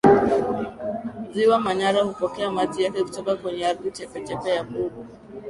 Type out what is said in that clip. Ziwa Manyara hupokea maji yake kutoka kwenye ardhi chepechepe ya Bubu